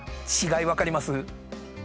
違い分かります？